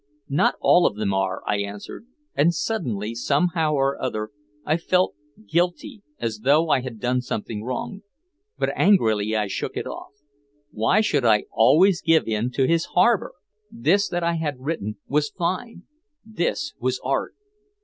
"Not all of them are," I answered. And suddenly, somehow or other, I felt guilty, as though I had done something wrong. But angrily I shook it off. Why should I always give in to his harbor? This that I had written was fine! This was Art!